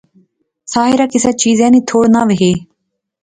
ساحرہ کسے چیزا نی تھوڑ نہ وہے